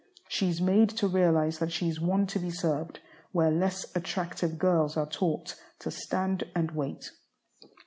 She is made to realize that she is one to be served, where less attractive girls are taught to "stand and wait."